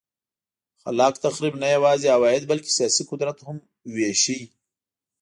خلاق تخریب نه یوازې عواید بلکه سیاسي قدرت هم وېشه.